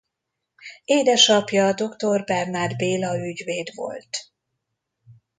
Édesapja dr. Bernáth Béla ügyvéd volt.